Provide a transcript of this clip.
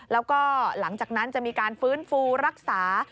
แล้วก็หลังจากนั้นจะมีการฟื้นฟูรักษา